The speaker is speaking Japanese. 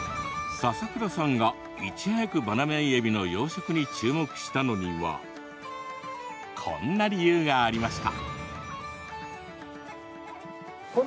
佐々倉さんが、いち早くバナメイエビの養殖に注目したのにはこんな理由がありました。